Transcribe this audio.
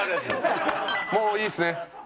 もういいですね。